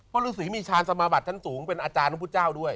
เพราะลูกศรีมีชาญสมาบัติทั้งสูงเป็นอาจารย์ลูกพระพุทธเจ้าด้วย